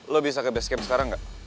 lo bisa ke base camp sekarang nggak